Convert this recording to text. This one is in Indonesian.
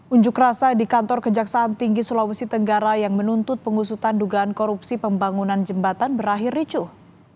unjuk rasa di kantor kejaksaan tinggi sulawesi tenggara yang menuntut pengusutan dugaan korupsi pembangunan jembatan berakhir ricuh